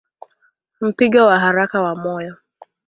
Mpigo wa haraka wa moyo